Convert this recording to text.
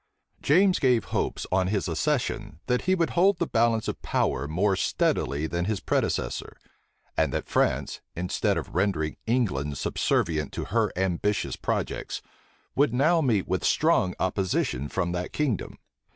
James gave hopes, on his accession, that he would hold the balance of power more steadily than his predecessor; and that France, instead of rendering England subservient to her ambitious projects, would now meet with strong opposition from that kingdom.